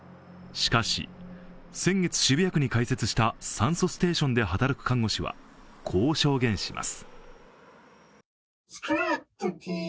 しかし、先月渋谷区に開設した酸素ステーションで働く看護師はこう証言します。